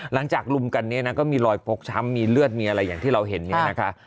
ลุมกันเนี่ยนะก็มีรอยฟกช้ำมีเลือดมีอะไรอย่างที่เราเห็นเนี่ยนะคะ